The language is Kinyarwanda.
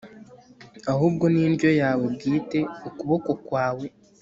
ahubwo ni indyo yawe bwite, ukuboko kwawe